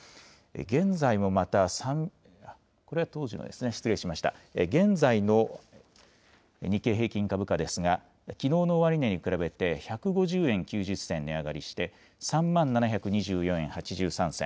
現在もまた、これは当時のですね、失礼しました、現在の日経平均株価ですが、きのうの終値に比べて１５０円９０銭値上がりして、３万７２４円８３銭。